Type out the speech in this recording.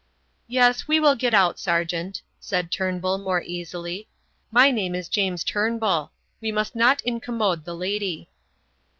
"Yes, we will get out, sergeant," said Turnbull, more easily; "my name is James Turnbull. We must not incommode the lady."